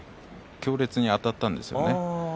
強烈にあたったんですね。